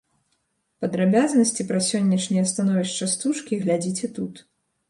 Падрабязнасці пра сённяшняе становішча стужкі глядзіце тут.